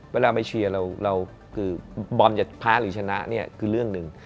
เวลามาเชียร์เราคือบอมจะแพ้หรือชนะเนี่ยคือเรื่องหนึ่ง